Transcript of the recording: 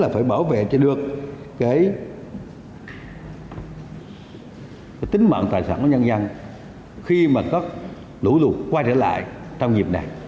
phải bảo vệ cho được tính mạng tài sản của nhân dân khi mà các lũ lụt quay trở lại trong dịp này